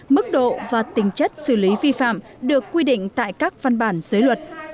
mức độ và tính chất xử lý vi phạm được quy định tại các văn bản dưới luật